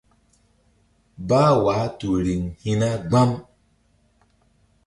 Bah wah tu riŋ hi̧na gbam.